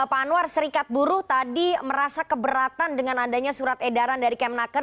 pak anwar serikat buruh tadi merasa keberatan dengan adanya surat edaran dari kemnaker